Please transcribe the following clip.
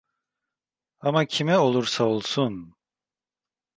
Ama kime olursa olsun…